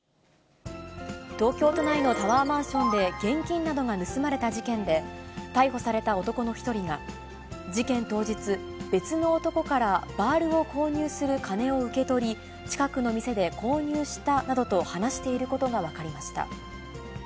東京都内のタワーマンションで、現金などが盗まれた事件で、逮捕された男の１人が、事件当日、別の男からバールを購入する金を受け取り、近くの店で購入したなどと、話していることが分かりました。